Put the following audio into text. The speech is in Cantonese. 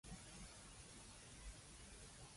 個煞車掣有啲問題